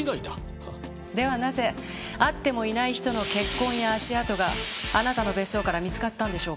ではなぜ会ってもいない人の血痕や足跡があなたの別荘から見つかったんでしょうか？